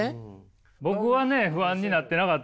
僕はね不安になってなかったんですよ。